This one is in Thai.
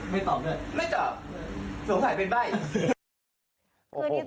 ไม่ตอบสวมถ่ายเป็นใบ